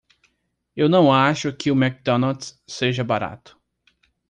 Eu não acho que o McDonald's seja barato.